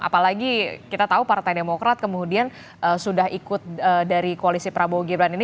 apalagi kita tahu partai demokrat kemudian sudah ikut dari koalisi prabowo gibran ini